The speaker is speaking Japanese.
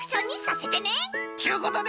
ちゅうことで！